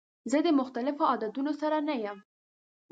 زه د مختلفو عادتونو سره نه یم.